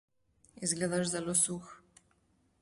Izgledaš zelo suh.